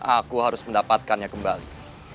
aku harus mendapatkannya kembali